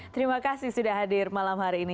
terima kasih sudah hadir malam hari ini